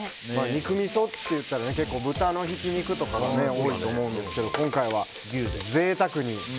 肉みそっていったら豚のひき肉などが多いと思うんですけど今回は牛で贅沢に。